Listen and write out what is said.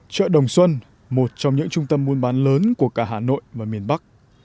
chợ đồng xuân một trong những trung tâm muôn bán lớn của cả hà nội và miền bắc